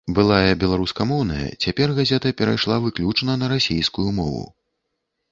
Былая беларускамоўная, цяпер газета перайшла выключна на расійскую мову.